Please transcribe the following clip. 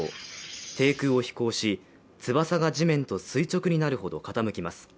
低空を飛行し、翼が地面と垂直になるほど傾きます。